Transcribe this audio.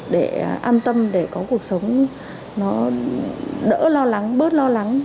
để an tâm để có cuộc sống nó đỡ lo lắng bớt lo lắng